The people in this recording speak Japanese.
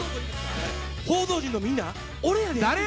報道陣のみんな、俺やで！